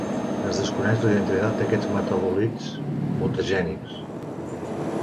Es desconeix la identitat d'aquests metabòlits mutagènics.